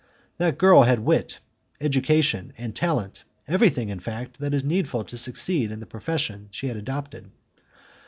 That girl had wit, education and talent everything, in fact, that is needful to succeed in the profession she had adopted.